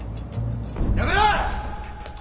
やめろ！